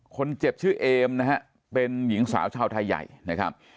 คนเจ็บชื่อเอมนะฮะเป็นหญิงสาวชาวไทยใหญ่นะครับ